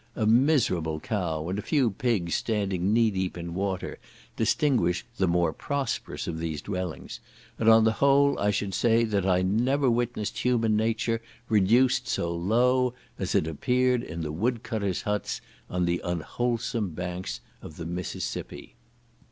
A miserable cow and a few pigs standing knee deep in water, distinguish the more prosperous of these dwellings, and on the whole I should say that I never witnessed human nature reduced so low, as it appeared in the wood cutters' huts on the unwholesome banks of the Mississippi.